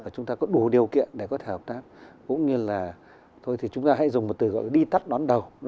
chúng ta có đủ điều kiện để có thể hợp tác cũng như là thôi thì chúng ta hãy dùng một từ gọi đi tắt đón đầu